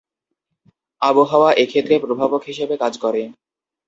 আবহাওয়া এক্ষেত্রে প্রভাবক হিসেবে কাজ করে।